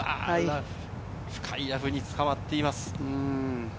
深いラフにつかまっています。